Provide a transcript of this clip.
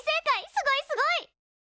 すごいすごい！